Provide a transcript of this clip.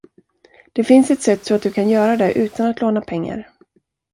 Det finns ett sätt så att du kan göra det, utan att låna pengar.